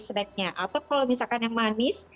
snack nya atau kalau misalkan yang manis